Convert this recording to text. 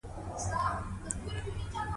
راباندې په پښو کړل.